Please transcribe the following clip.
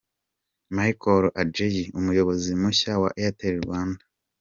Mr Micheal Adjei umuyobozi mushya wa Airtel Rwanda.